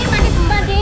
pakir mandi mbak andin